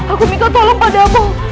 aku minta tolong padamu